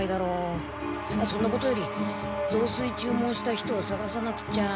そんなことよりぞうすい注文した人をさがさなくっちゃ。